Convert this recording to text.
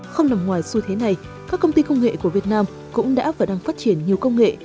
không nằm ngoài xu thế này các công ty công nghệ của việt nam cũng đã và đang phát triển nhiều công nghệ